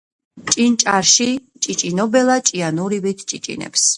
ჭინჭარში ჭიჭინობელა ჭიანურივით ჭიჭინებს.